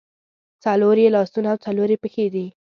څلور یې لاسونه او څلور یې پښې دي.